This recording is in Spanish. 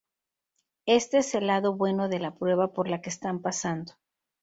Este es el lado bueno de la prueba por la que están pasando.